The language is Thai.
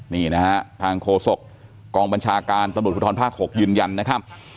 นี่นะฮะทางโฆษกกองบัญชาการตำรวจภูทรภาค๖ยืนยันนะครับ